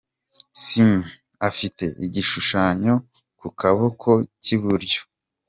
Ciney afite igishushanyo ku kaboko k'i Buryo.